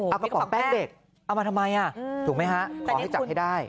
เอากระป๋องแป้งเด็กเอามาทำไมเลย